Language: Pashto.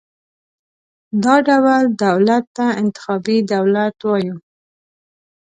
دا ډول دولت ته انتخابي دولت وایو.